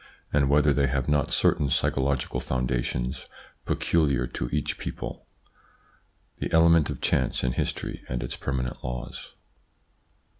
and whether they have not certain psychological foundations peculiar to each people ? The element of chance in history and its permanent laws.